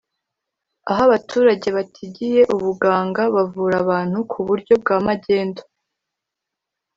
aho abaturage batigiye ubuganga bavura abantu ku buryo bwa magendu